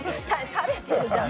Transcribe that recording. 食べてるじゃん！